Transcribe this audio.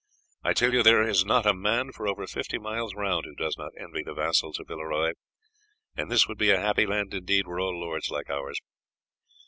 I tell you there is not a man for over fifty miles round who does not envy the vassals of Villeroy, and this would be a happy land indeed were all lords like ours.